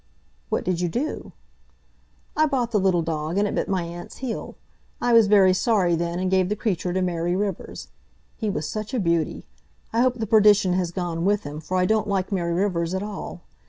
"What did you do?" "I bought the little dog, and it bit my aunt's heel. I was very sorry then, and gave the creature to Mary Rivers. He was such a beauty! I hope the perdition has gone with him, for I don't like Mary Rivers at all.